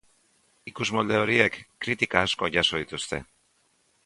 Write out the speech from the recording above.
Ikusmolde horiek kritika asko jaso dituzte.